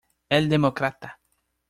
Él demócrata.